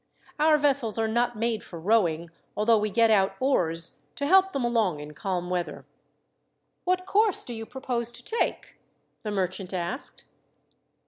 "Our vessels are not made for rowing, although we get out oars to help them along in calm weather." "What course do you propose to take?" the merchant asked.